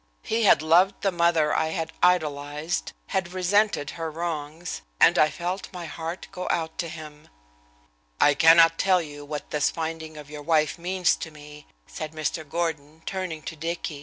He had loved the mother I had idolized, had resented her wrongs, and I felt my heart go out to him. "I cannot tell you what this finding of your wife means to me," said Mr. Gordon, turning to Dicky.